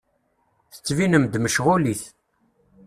Tettbinem-d mecɣulit.